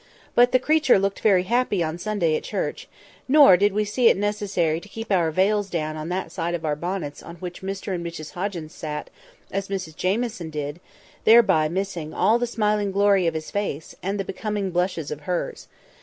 But "the creature" looked very happy on Sunday at church; nor did we see it necessary to keep our veils down on that side of our bonnets on which Mr and Mrs Hoggins sat, as Mrs Jamieson did; thereby missing all the smiling glory of his face, and all the becoming blushes of hers.